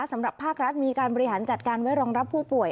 สำหรับภาครัฐมีการบริหารจัดการไว้รองรับผู้ป่วย